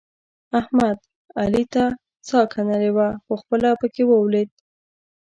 احمد؛ علي ته څا کنلې وه؛ خو خپله په کې ولوېد.